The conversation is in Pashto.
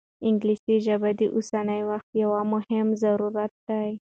انګلیسي ژبه د اوسني وخت یو ډېر مهم ضرورت دی.